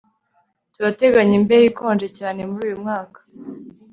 Turateganya imbeho ikonje cyane muri uyu mwaka